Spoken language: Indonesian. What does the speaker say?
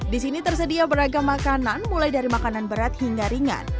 di sini tersedia beragam makanan mulai dari makanan berat hingga ringan